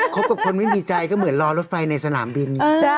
กับคนไม่ดีใจก็เหมือนรอรถไฟในสนามบิน